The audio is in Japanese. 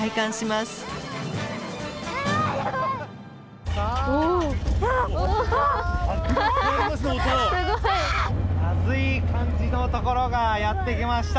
すごい。まずい感じのところがやって来ました。